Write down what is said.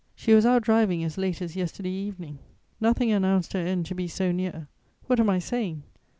She was out driving as late as yesterday evening. Nothing announced her end to be so near; what am I saying?